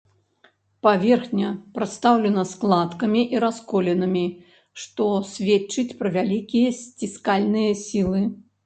Паверхня прадстаўлена складкамі і расколінамі, што сведчыць пра вялікія сціскальныя сілы.